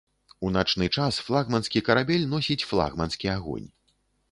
У начны час флагманскі карабель носіць флагманскі агонь.